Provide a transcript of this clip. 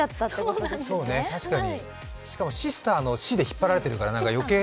確かに、シスターのシで引っ張られてるから。